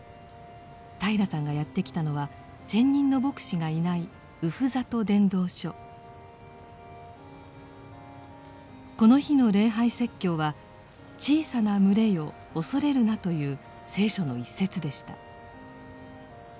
平良さんがやって来たのは専任の牧師がいないこの日の礼拝説教は「小さな群れよ恐れるな」という聖書の一節でした。